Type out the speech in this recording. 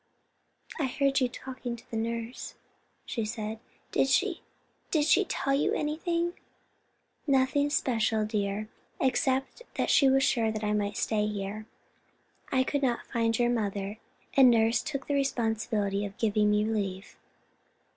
"I heard you talking to nurse," she said. "Did she—did she—tell you—anything?" "Nothing special, dear, except that she was sure I might stay here. I could not find your mother, and nurse took the responsibility of giving me leave."